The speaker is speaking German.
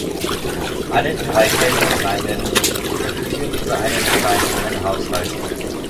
Alle drei Kirchengemeinden verfügen über einen gemeinsamen Haushalt.